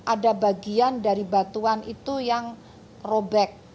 ada bagian dari batuan itu yang robek